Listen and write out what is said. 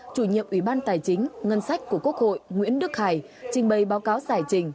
chủ nhiệm ủy ban tài chính ngân sách của quốc hội nguyễn đức hải trình bày báo cáo giải trình